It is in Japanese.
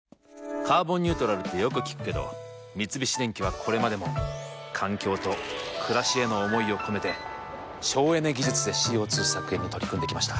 「カーボンニュートラル」ってよく聞くけど三菱電機はこれまでも環境と暮らしへの思いを込めて省エネ技術でＣＯ２削減に取り組んできました。